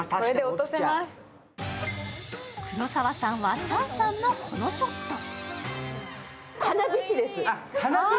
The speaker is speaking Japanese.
黒沢さんはシャンシャンのこのショット。